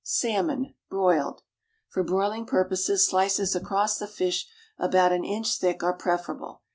=Salmon, Broiled.= For broiling purposes slices across the fish about an inch thick are preferable.